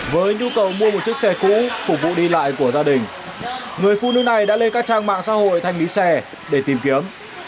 với nhu cầu mua một chiếc xe cũ phục vụ đi lại của gia đình người phụ nữ này đã lên các trang mạng xã hội thanh lý xe để tìm kiếm